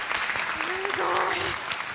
すごーい。